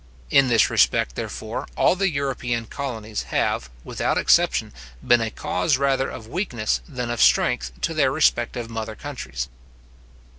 In this respect, therefore, all the European colonies have, without exception, been a cause rather of weakness than of strength to their respective mother countries.